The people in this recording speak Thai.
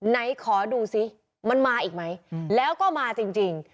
ไหนขอดูสิมันมาอีกไหมแล้วก็มาจริง